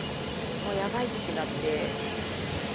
もうやばいってなって。